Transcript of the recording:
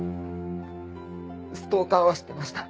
ストーカーはしてました。